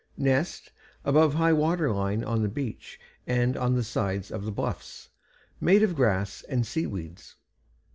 NEST Above high water line on the beach and on the sides of the bluffs; made of grass and sea weeds.